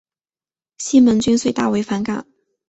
西门君遂大为反感。